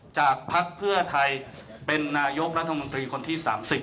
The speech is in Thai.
พักเพื่อไทยเป็นนายกรัฐมนตรีคนที่๓๐